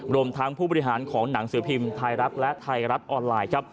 รวมทั้งผู้บริหารของหนังสือพิมพ์ไทยรัฐและไทยรัฐออนไลน์ครับ